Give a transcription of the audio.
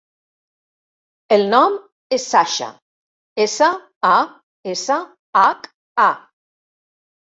El nom és Sasha: essa, a, essa, hac, a.